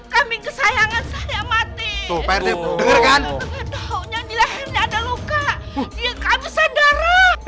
kambing kesayangan saya mati tuh pak rt denger kan di daunnya di lahirnya ada luka dia kabisan darah